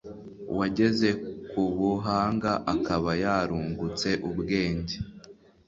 uwageze ku buhanga, akaba yarungutse ubwenge